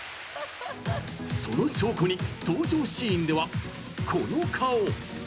その証拠に登場シーンではこの顔。